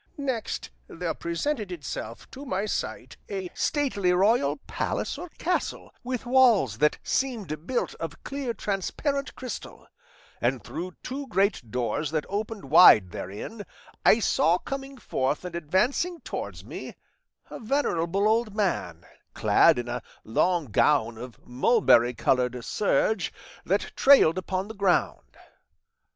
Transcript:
Next there presented itself to my sight a stately royal palace or castle, with walls that seemed built of clear transparent crystal; and through two great doors that opened wide therein, I saw coming forth and advancing towards me a venerable old man, clad in a long gown of mulberry coloured serge that trailed upon the ground.